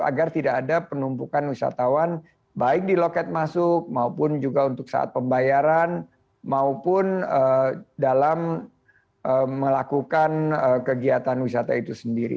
agar tidak ada penumpukan wisatawan baik di loket masuk maupun juga untuk saat pembayaran maupun dalam melakukan kegiatan wisata itu sendiri